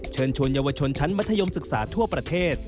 เชิญชวนเยาวชนชั้นมัธยมศึกษาทั่วประเทศ